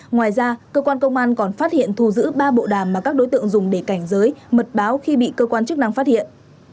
ngoài ra cơ quan công an còn phát hiện thu giữ ba bộ đàm mà các đối tượng dùng để cảnh giới mật báo khi bị cơ quan chức năng phát hiện